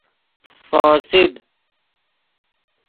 فاسد